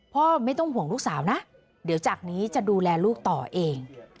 ไม่ต้องห่วงลูกสาวนะเดี๋ยวจากนี้จะดูแลลูกต่อเอง